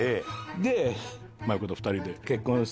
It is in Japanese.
で万由子と２人で。